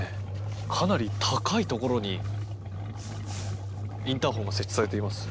かなり高いところにインターホンが設置されています。